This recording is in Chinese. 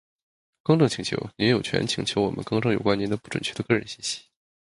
更正请求。您有权请求我们更正有关您的不准确的个人信息。